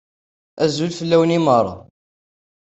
Azul fell-awen i meṛṛa.